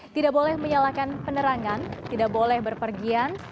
tidak boleh menyalakan penerangan tidak boleh berpergian